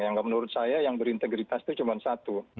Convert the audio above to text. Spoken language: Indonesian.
yang menurut saya yang berintegritas itu cuma satu